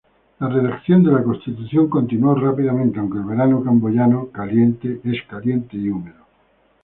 La redacción de la constitución continuó rápidamente, aunque el verano camboyano caliente y húmedo.